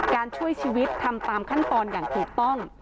ช่วยชีวิตทำตามขั้นตอนอย่างถูกต้อง